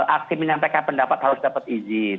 aksi menyampaikan pendapat harus dapat izin